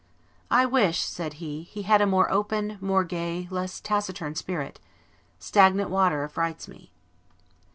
"I wish," said he, "he had a more open, more gay, less taciturn spirit; stagnant water affrights me."